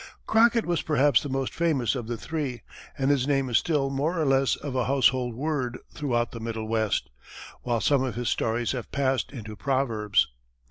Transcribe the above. Crockett was perhaps the most famous of the three, and his name is still more or less of a household word throughout the middle West, while some of his stories have passed into proverbs.